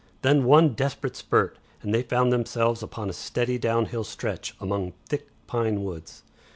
Then one desperate spurt, and they found themselves upon a steady downhill stretch among thick pine woods.